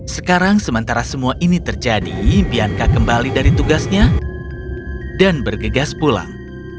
sekarang sementara semua ini terjadi bianka kembali dari tugasnya dan bergegas pulang